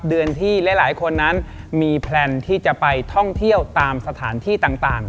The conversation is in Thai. เดือนที่หลายคนนั้นมีแพลนที่จะไปท่องเที่ยวตามสถานที่ต่าง